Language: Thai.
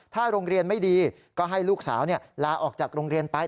ถ้าโรงเรียนไม่ดีก็ให้ลูกสาวลาออกจากโรงเรียนไป